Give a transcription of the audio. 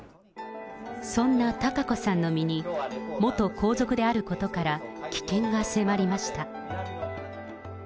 そんな貴子さんの身に、元皇族であることから危険が迫りました。